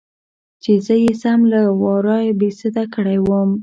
چې زه يې سم له وارې بېسده کړى وم.